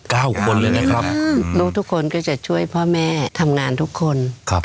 ลูกทุกคนก็จะช่วยพ่อแม่ทำงานทุกคน